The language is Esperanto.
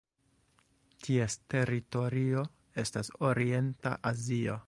Ties teritorio estas Orienta Azio.